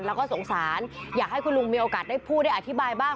แล้วก็สงสารอยากให้คุณลุงมีโอกาสได้พูดได้อธิบายบ้าง